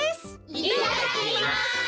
いただきます！